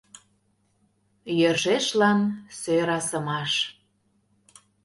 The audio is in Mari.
ЙӦРШЕШЛАН СӦРАСЫМАШ